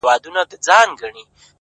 ساقي خراب تراب مي کړه نڅېږم به زه ـ